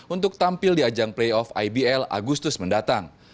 untuk tampil di ajang playoff ibl agustus mendatang